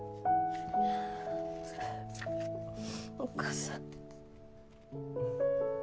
お母さん。